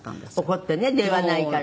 怒ってね電話ないから。